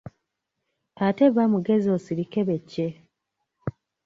Ate ba mugezi osirike be cce.